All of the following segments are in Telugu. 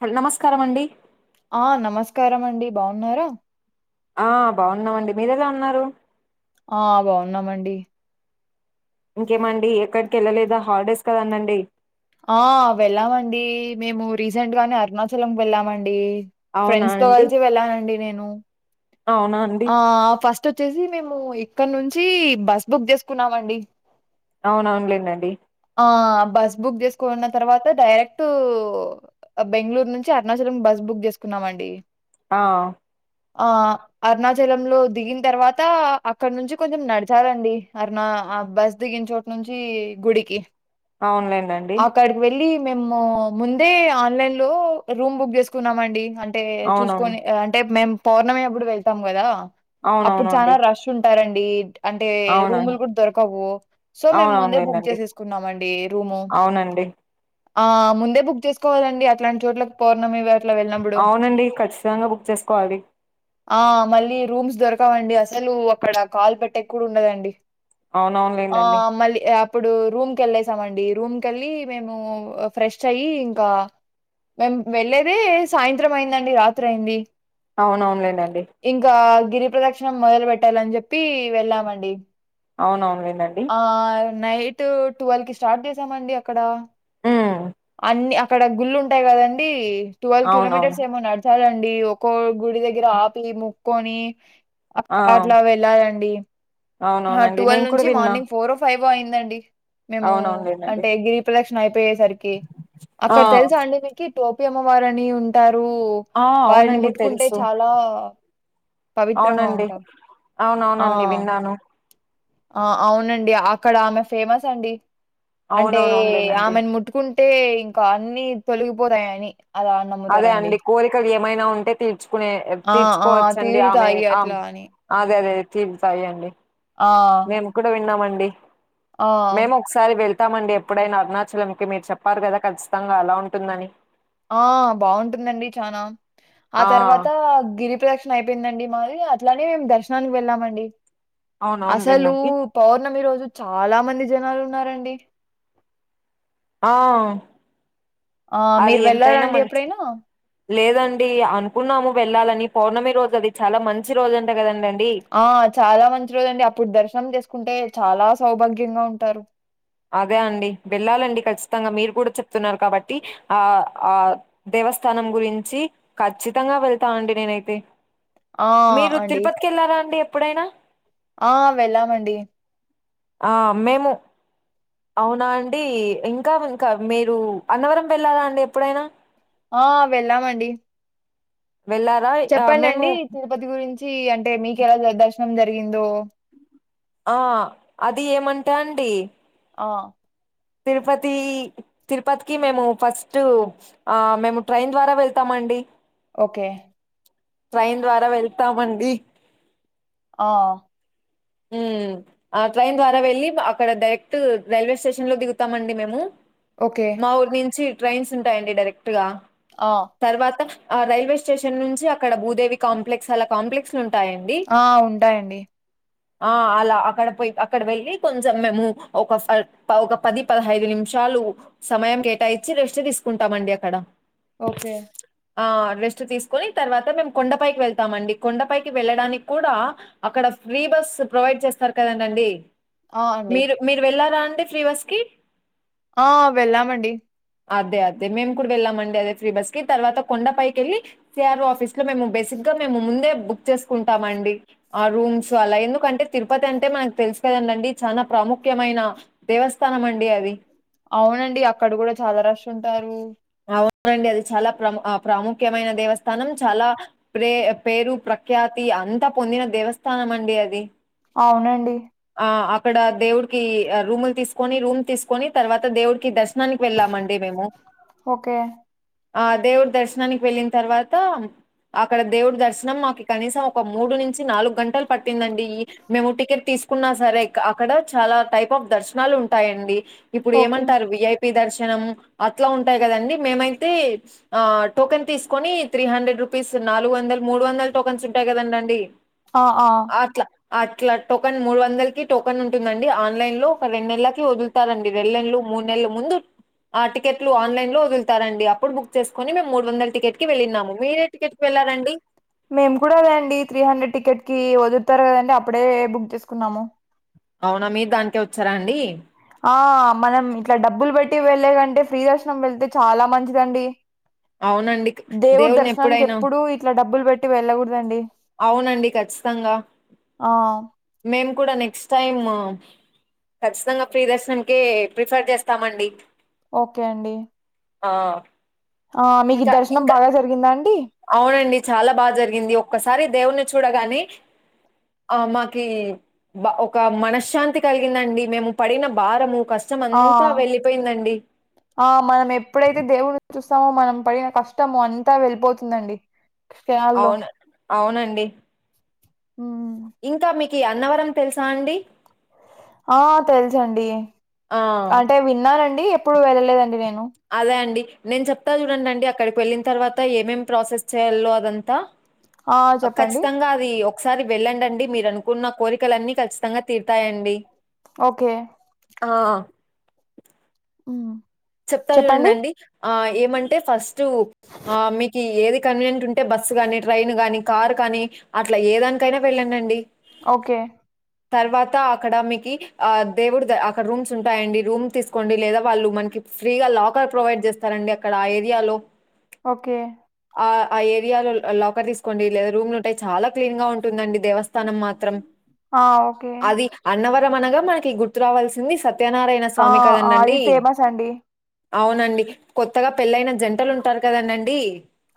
హ నమస్కారం అండి. ఆ నమస్కారం అండి, బాగున్నారా? ఆ బాగున్నామండి, మీరెలా ఉన్నారు? ఆ బాగున్నామండి. ఇంకేమండి ఎక్కడికెళ్ళలేదా హాలిడేస్ కదండండి? ఆ వెళ్ళామండి, మేము రీసెంట్ గానే అరుణాచలంకి వెళ్ళామండి. అవునా ఫ్రెండ్స్ తో అండి కలిసి వెళ్ళానండి నేను. అవునా అండి. తో చేసి మేము ఇక్కడ నుంచి బస్ బుక్ చేసుకున్నామండి. ఆ అవునవునులేడండి. ఆ బస్ బుక్ చేస్ కున్న తర్వాత డైరెక్ట్ బెంగళూరు నుంచి అరుణాచలం బస్ బుక్ చేసుకున్నామ అండి. ఆ ఆ అరుణాచలంలో దిగిన తర్వాత అక్కడ నుంచి కొంచెం నడచాలండి, అరుణ ఆ బస్ దిగిన చోటు నుంచి గుడికి. అవులేం అక్కడికి వెళ్ళి మేము ముందే ఆన్లైన్ లో రూమ్ బుక్ చేసుకున్నామండి. అంటే అవునవును చూసుకొని అంటే మేము పౌర్ణమి అప్పుడు వెళ్తాం కదా. అప్పుడు చనా అవునవునండి రష్ ఉంటారండి అంటే రూములు అవునండి కూడా దొరకవు సో మేము ముందే బుక్ అవునవునులేండండి చేసేసుకున్నాము అండి రూము అవునండి ఆ ముందే బుక్ చేసుకోవాలండి అట్లాంటి చోట్లకు పౌర్ణమి ఇవ వెళ్ళినప్పుడు అవునండి ఖచ్చితంగా బుక్ చేసుకోవాలి ఆ మళ్ళీ రూమ్స్ దొర్ కవు అండి అసలు అక్కడ కాల్ పెట్టే కూడా ఉండదండి ఆ అవునవునులేండండి మళ్ళీ ఆ అప్పుడు రూమ్కి ఎళ్ళేసామండి రూమ్కెళ్ళి మేము ఫ్రెష్ అయ్యి ఇంకా మేం వెళ్ళేదే సాయంత్రం అయిందండి రాత్రి అయింది అవునవునులేనండి గిరి ప్రదక్షిణం మొదలు పెట్టాలని చెప్పి వెళ్ళామండి అవునవునులేండండి ఆ నైటు ట్వెల్వ్కి స్టార్ట్ చేసామండి అక్కడ ఉమ్ అన్ని అక్కడ గుళ్ళు ఉంటాయి కదండి ట్వెల్వ్ అవునవును కిలోమీటర్స్ ఏమో నడచాలండి ఒకో గుడి దగ్గర ఆపి మొక్కొని ఆ అట్లా వెళ్ళాలండి అవునవునండి ట్వెల్వ్ నేను కూడా నుంచి విన్నా మార్నింగ్ ఫోర్ ఫైవ్ వో అయిందండి మేము అ అవునవునులేండండి అంటే గిరి ప్రదక్షిణ అయిపోయేసరికి ఆ అక్కడ తెలుసా అండి మీకి టోపి అమ్మవారు అని ఉంటా రు ఆ వారిని అవునండి ముట్టుకుంటే తెలుసు చాలా పవిత్రంగా అవునండి ఉంటాం ఆ అవునవునండి విన్నాను ఆ అవునండి అక్కడ ఆమె ఫేమస్ అండి అంటే అవునవునవునులేనండి ఆమెని ముట్టుకుంటే ఇంకా అన్ని తొలగిపోతాయని అలా అదే నమ్ముతారండి. అండి కోరికలు ఏమైనా ఉంటే తీర్చుకునే ఆ! ఆ! తీర్చుకోవచ్చండి ఆమె తీరుతాయి ఆ అట్లా అని. అదే అదే తీరుతాయి అండి ఆ! మేము కూడా విన్నామండి ఆ! మేము ఒకసారి వెళ్ ళ్తామండి ఎప్పుడైనా అరుణాచలంకి మీరు చెప్పారు కదా ఖచ్చితంగా అలా ఉంటుందని ఆ బావుంటుందండి చానా ఆ తర్వాత గిరిప్రదక్షి న అయిపోయిందండి మాది అట్లానే మేము దర్శనానికి వెళ్ళామండి అసలు అవునవునులేండి పౌర్ణమి రోజు చాలా మంది జనాలు ఉన్నారండి ఆ ఆ అది మీరు ఎంతైనా వెళ్లారాండి మంచి ఎప్పుడైనా లేదండి అనుకున్నాము వెళ్ళాలని పౌర్ణమి రోజు అది చాలా మంచి రోజు అంట కదండి అ ఆ చాలా మంచి రోజు అండి అప్పుడు దర్శనం చేసుకుంటే చాలా సౌభాగ్యంగా ఉంటారు అదే అండి వెళ్ళాలండి ఖచ్చితంగా మీరు కూడా చెప్తున్నారు కాబట్టి ఆ ఆ దేవస్థానం గురించి ఖచ్చితంగా వెళ్తానండి నేనైతే ఆ! మీరు అండి. తిరుపతికి వెళ్ళారా అండి ఎప్పుడైనా ఆ! వెళ్ళామండి. ఆ మేము అవునా అండి ఇంకా ఇంకా మీరు అన్నవరం వెళ్ళారా అండి ఎప్పుడైనా ఆ వెళ్ళామండి వెళ్ళారా? ఆహ్, మేము చెప్పడండి తిరుపతి గురించి అంటే మీకు ఎలా దర్శనం జరిగిందో ఆ అది ఏమంటే అండి ఆ తిరుపతి తిరుపతికి మేము ఫస్ట్ ఆ మేము ట్రైన్ ద్వారా వెళ్తామండి ఓకే ట్రైన్ ద్వారా వెళ్తామండి ఆ హ్మ్ ట్రైన్ ద్వారా వెళ్ళి అక్కడ డైరెక్ట్ రైల్వే స్టేషన్ లో దిగుతామండి మేము ఓకే. మా ఊరు నుంచి ట్రైన్స్ ఉంటాయండి డైరెక్ట్ గా ఆ! తర్వాత ఆ రైల్వే స్టేషన్ నుంచి అక్కడ భూదేవి కాంప్లెక్స్ అలా కాంప్లెక్స్ను ఆ ఉంటాయండి ఆ అలా అక్కడ పోయి అక్కడ వెళ్ళి కొంచెం మేము ఒక ఒక పది పదహైదు నిమిషం చాలు సమయం కేటాయిచ్చి రెస్ట్ తీసుకుంటామండి అక్కడ ఓకె ఆ రెస్ట్ తీసుకుని తర్వాత మేము కొండపైకి వెళ్తామండి కొండపైకి వెళ్ళడానికి కూడా అక్కడ ఫ్రీ బస్ ప్రొవైడ్ చేస్తారు కదండి అండి ఆ! అండి. మీరు మీరు వెళ్ళారా ఫ్రీ బస్కీ ఆ వెళ్ళామండి అదే అదే మేము కూడా వెళ్ళామండి అదే ఫ్రీ బస్ కి తర్వాత కొండపైకి వెళ్ళి సిఆర్ఓ ఆఫీస్ ఇంకా మేము బేసిక్గా మేము ముందే బుక్ చేసుకుంటాం అండి ఆ రూమ్స్ సో అలా ఎందుకంటే తిరుపతి అంటే మనకు తెలుసు కదండి చాలా ప్రాముఖ్యమైన దేవస్థానం అండి అది అవునండి అక్కడ కూడా చాలా రష్ ఉంటారు అవునండి అది చాలా ప్ర ప్రాముఖ్యమైన దేవస్థానం చాలా ప్రే పేరు ప్రఖ్యాతి అంత పొందిన దేవస్థానం అండి అది అవునండి ఆ! అక్కడ దేవుడికి రూములు తీసుకొని రూమ్ తీసుకొని తర్వాత దేవుడికి దర్శనానికి వెళ్ళామండి మేము ఓకె ఆ దేవుడు దర్శనానికి వెళ్ళిన తర్వాత అక్కడ దేవుడి దర్శనం మాకు కనీసం ఒక మూడు నుంచి నాలుగు గంటలు పట్టిందండి మేము టికెట్ తీస్ తీసుకున్నా సరే అక్కడ చాలా టైప్ ఆఫ్ దర్శనాలు ఉంటాయండి ఇప్పుడు ఓకే. ఏమంటారు విఐపి దర్శనం అట్లా ఉంట టాయి కదండి మేమైతే టోకెన్ తీసుకొని త్రీ హండ్రెడ్ రూపీస్ నాలుగు వందల మూడు వంద టోకన్స్ ఉంటాయి కదండ అండి అ ఆ అట్లా టోకన్ మూడు వందలకి టోకెన్ ఉంటుందండి ఆన్లైన్ లో ఒక రెండు నెలకి వదులుతారండి రెండ్ నెలలు మూనెల్లు ముందు ఆ టికెట్ ఆన్లైన్లో వదుల్తారండి అప్పుడు బుక్ చేసుకుని మేము మూడు వందల టికెట్కి వెళ్ళినాము మీరేటికెట్కి వెళ్లారండి మేము కూడా అదేండి త్రీ హండ్రెడ్ టికెట్కి వదుల్తారు కదండి అప్పుడే బుక్ చేసుకున్నాము అవునా మీరు దానికే వచ్చారా అండి ఆ మనం ఇట్లా డబ్బులు బట్టి వెళ్ళే కంటే ఫ్రీ దర్శనం వెళ్తే చాలా మంచిదండి అవునండి దేవుడి దేవుని దర్శనానికి ఎప్పుడైనా ఎప్పుడు ఇట్లా డబ్బులు పెట్టి వెళ్ళకూడదండి అవునండి ఖచ్చితంగా ఆ మేము కూడా నెక్స్ట్ టైము ఖచ్చితంగా ఫ్రి దర్శనంకే ప్రిఫర్ చేస్తామండి ఓకే అండి ఆ ఆ మీకు ఈ ఇంకా దర్శనం ఇంకా బాగా జరిగిందా అండి అవునండి చాలా బాగా జరిగింది ఒక్కసారి దేవుని చూడగాని ఆ మాకి ఒక మనశ్శాంతి కలిగిందండి మేము పడిన భారము ఆ కష్టమంతా వెళ్ళిపోయిందండి. ఆ మనం ఎప్పుడైతే దేవుడు చూస్తాము మనం పడిన కష్టము అంతా వెళ్ళిపోతుందండి క్షణాల్లో అవును అవునండి హ్మ్ ఇంకా మీకి అన్నవరం తెలుసా అండి ఆ తెలుసన్డి ఆ! అంటే విన్నానండి ఎప్పుడు వెళ్ళలేదండి నేను అదే అండి నేను చెప్తా చూడండి అండి అక్కడికి వెళ్ళిన తర్వాత ఏమేం ప్రాసెస్ చేయాలో అదంతా ఆ చెప్పండి. ఖచ్చితంగా అది ఒకసారి వెళ్ళండన్డి మీరు అనుకున్న కోరికలన్నీ ఖచ్చితంగా తీరుతాయండి ఓకే ఆ హు చెప్తా చూడండన్డి ఆ ఏమంటే ఫస్ట్ మీకు ఏది కన్వీనియంట్ ఉంటే బస్సు కానీ ట్రైన్ కానీ కార్ కానీ అట్లా ఏ దానికైనా వెళ్ళందండి ఓకే తర్వాత అక్కడ మీకు ఆ దేవుడు అక్కడ రూమ్స్ ఉంటాయండి రూమ్ తీసుకోండి లేదా వాళ్ళు మనకి ఫ్రీగా లాకర్ ప్రొవైడ్ చేస్తారండి అక్కడ ఆ ఏరియాలో ఓకే ఆ ఆ ఏరియాలో లాకర్ తీసుకోండి లేదా రూమ్లు ఉంటాయి చాలా క్లీన్ గా ఉంటుందండి దేవస్థ స్థానం మాత్రం ఆ ఓకే. అది అన్నవరం అనగా మనకి గుర్తు రావాల్సింది సత్ సత్యనారాయణ ఆ స్వామి ఆ! అది కదండండి ఫేమస్ అండి. అవునండి కొత్తగా పెళ్ళైన జంటలు ఉంటారు కదండండి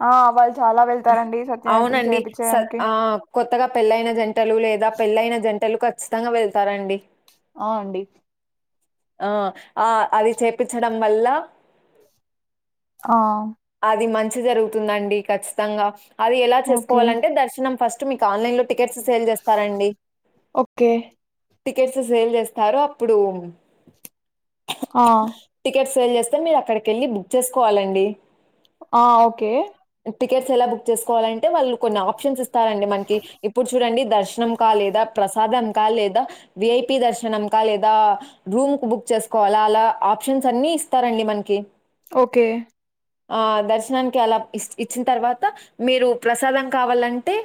ఆ వాళ్ళు చాలా వెళ్తారండి సత్యనారాయణతం అవునండి చేపిచ్చడానికి. ఆ కొత్తగా పెళ్ళైన జంటలు లేదా పెళ్ళయిన జంటలు ఖచ్చితంగా వెళ్తారండి ఆ అండి ఆ ఆ అది చేపించడం వల్ల ఆ అది మంచి జరుగుతుందండి ఖచ్చితంగా అది ఎలా ఓకే చేసుకోవాలంటే దర్శనం ఫస్ట్ మీకు ఆన్లైన్ లో టికెట్స్ సేల్ చేస్తారండి ఓకే టికెట్స్ సేల్ చేస్తారు అప్పుడు ఆ సాయి చేస్తే మీరు అక్కడికెళ్ళి బుక్ చేసుకోవాలండి ఆ ఓకే టికెట్స్ ఎలా బుక్ చేసుకోవాలంటే వాళ్ళు కొన్ని ఆప్షన్స్ ఇస్తారండి మనకి ఇప్పుడు చూడండి దర్శనంక లేదా ప్రసాదంక లేదా విఐపి దర్శనంక లేదా రూమ్ కి బుక్ చేసుకోవాల అలా ఆప్షన్స్ అన్ని ఇస్తారండి మనకి ఓకే ఆ దర్శనానికి అలా ఇ ఇచ్చిన తర్వాత మీరు ప్రసాదం కావాలంటే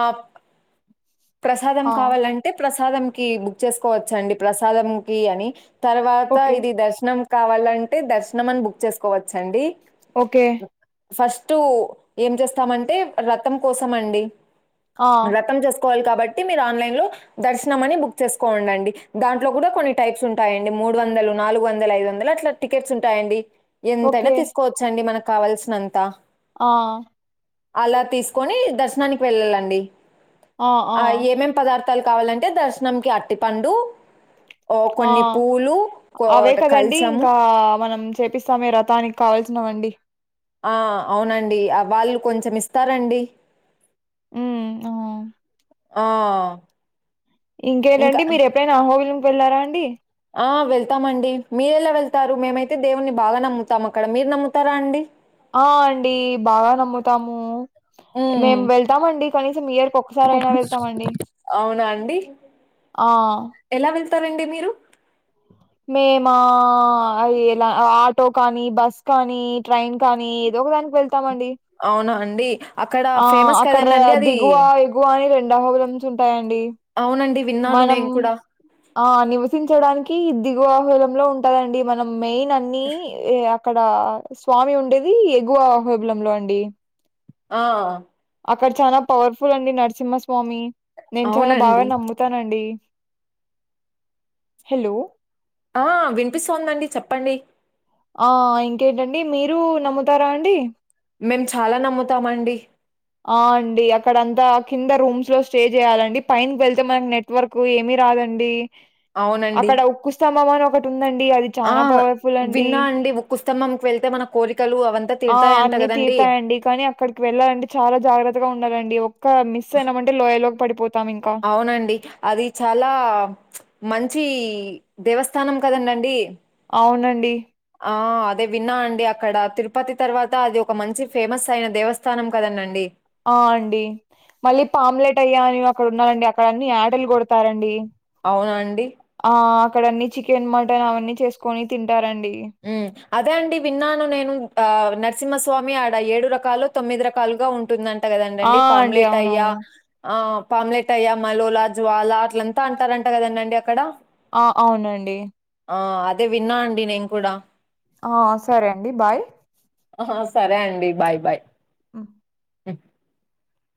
ఆ [inaudible] ప్రసాదం ఆ కావాలంటే ప్రసాదం కి బుక్ చేసుకోవచ్చ అండి ప్రసాదం కి అని తర్వాత ఓకే ఇది దర్శనం కావాలంటే దర్శనం అని బుక్ చేసుకోవచ్చండి ఓకే ఫస్ట్ ఏం చేస్తామంటే రతం కోసం అండి ఆ రథం చేస్తా వాలి కాబట్టి మీరు ఆన్లైన్ లో దర్శనం అని బుక్ చేసుకోండి దాంట్లో కూడా కొన్ని టైప్స్ ఉంటాయండి మూడు వందలు నాలుగు వ వందల ఐదు వందలు అట్లా టికెట్స్ ఉంటాయండి ఎంతైనా ఓకే తీసుకోవచ్చ అండి మనకు కావాల్సినంత ఆ అలా తీసుకొని దర్శనానికి వెళ్ళాలండి ఆ ఏమేం పదార్థ తల్ కావాలంటే దర్శనంకి అట్టి పండు ఓ ఆ కొన్ని పూలు కో అవే కదండి ఇంకా మనం చేపిస్తామే వ్రతానికి కావల్సినవండి ఆ అవునండి వాళ్ళు కొంచెం ఇస్తారండి మ్మ్ ఒ ఆ ఇంకా ఇంకేనండి మీరు ఎప్పుడైనా అహోబిలంకి వెళ్ళారా అండి ఆ వెళ్తామండి మీరెలా వెళ్తారు మేమైతే దేవుని బాగా నమ్ముతాం అక్కడ మీరు నమ్ముతారా అండి ఆ అండి బాగా నమ్ముతాము హ్మ్. మేము వెళ్తామండి కనీసం ఇయరికి ఒక్కసారి అయినా వెళ్తామండి అవునా అండి? ఆ ళ్తారండి మీరు మేమా అది ఇలా ఆ టో కానీ బస్ కానీ ట్రైన్ కానీ ఏదో ఒక దానికి వెళ్తామండి అవునా అండి? అక్కడ ఆ ఫేమస్ అక్కడ కదండండి అది. దిగువ ఎగువ అని రెండు అహోబిలమ్స్ ఉంటాయండి అవునండి విన్నాను మనం నేను కూడా ఆ నివసించడానికి దిగువ అహోబిలంలో ఉంటదండి మనం మెయిన్ అన్ని అక్కడ స్వామి ఉండేది ఎగువ అహోబిలంలో అండి ఆ అక్కడ చాలా పవర్ఫుల్ అండి నరసింహస్వామి నేను చాలా బాగా అవునండి. నమ్ముతానండి హలో ఆ వినిపిస్తోందండి చెప్పండి ఆ ఇంకేంటండి మీరు నమ్ముతారా అండి మేము చాలా నమ్ముతామండి ఆ అండి అక్కడంతా కింద రూమ్స్ లో స్టే చేయాలండి పైన్కి వెళ్తే మనకి నెట్వర్క్ ఏమి రాదండి అవునండి. అక్కడ ఉక్కుస్తంభమని ఆ విన్నా అండి ఒక ఉకుస్తంభంకి వెళ్తే మన కోరికలు అవంతా ఆ తీరుతాయంట అన్ని కదా తీరుతాయండి కానీ అక్కడికి వెళ్ళాలంటే చాలా జ గ్రత్తగా ఉండాలండి ఒక్క మిస్ అయినాం అంటే లోయలోకి పడిపో అవునండి అది చాలా మం చి దేవస్థానం కదండండి అవునండి ఆ అదే విన్నా అండి అక్కడ తిరుపతి తర్వాత అది ఒక మంచి ఫేమస్ అయిన దేవస్థానం కదండండి ఆ అండి మళ్ళీ పామ్లెట్ అయ్యా అని అక్కడ ఉన్నరండి అక్కడ అన్ని ఎటలు కొడతారండి అవునా అండి ఆ అక్కడన్ని చికెన్ మటన్ అవన్నీ చేసుకొని తింటారండి అదే అండి విన్నాను నేను ఆ న సింహస్వామి ఆడ ఏడు రకాలు తొమ్మిది రకాలుగా ఉంటుంద ట ఆ కదండండి అండి పామ్లెట్ అయ్యా అవునవును ఆ పామ్లెట్ అయ్యా మలోలా జ్వాలా అట్లంతా అంటారంట కదండ అండి అక్కడ ఆ అవునండి ఆ అదే విన్నా అండి నేను కూడా ఆ సరే అండి బాయ్ ఆ సరే అండి బాయ్ బాయ్ అ ఎ